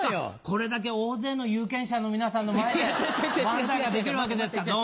これだけ大勢の有権者の皆さんの前で漫才ができるわけじゃないですか。